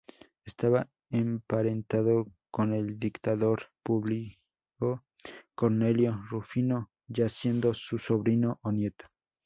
Estaba emparentado con el dictador Publio Cornelio Rufino, ya siendo su sobrino o nieto.